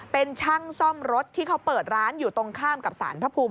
เป็นช่างซ่อมรถที่เขาเปิดร้านอยู่ตรงข้ามกับสารพระภูมิ